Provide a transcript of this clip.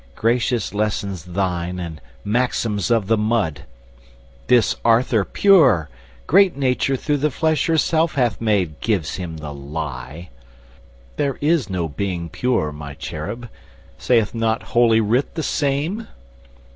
Gracious lessons thine And maxims of the mud! 'This Arthur pure! Great Nature through the flesh herself hath made Gives him the lie! There is no being pure, My cherub; saith not Holy Writ the same?